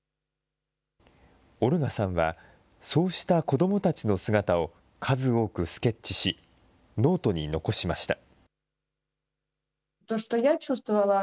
オルガさんは、そうした子どもたちの姿を数多くスケッチし、ノートに残しました。